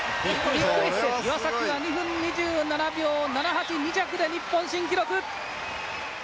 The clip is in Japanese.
岩崎は２分２７秒７８２着で日本新記録！